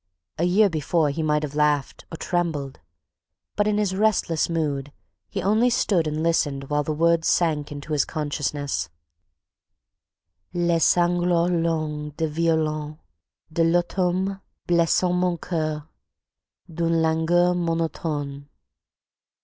A year before he might have laughed, or trembled; but in his restless mood he only stood and listened while the words sank into his consciousness: "Les sanglots longs Des violons De l'automne Blessent mon coeur D'une langueur Monotone."